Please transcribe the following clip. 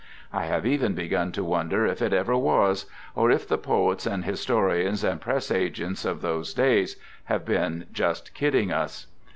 I have even begun to wonder if it ever was, or if the poets and historians and " Press agents " of those days have been just kid ding us.